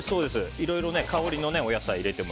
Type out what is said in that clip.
いろいろ香りのお野菜を入れても。